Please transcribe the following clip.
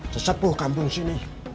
sesepu kampung sini